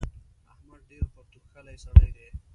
احمد ډېر پرتوګ کښلی سړی دی.